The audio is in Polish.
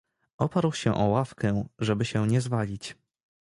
Oparł się o ławkę, żeby się nie zwalić.